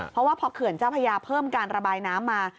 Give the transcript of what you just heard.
เพราะว่าพอเขื่อนเจ้าพระยาเพิ่มการระบายน้ำมา